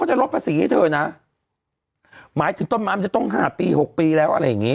ใช้เถอะนะหมายถึงต้นบ่ามจะต้องหาตีหกปีแล้ว